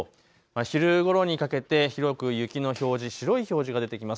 昼ごろにかけて広く雪の表示、白い表示が出てきます。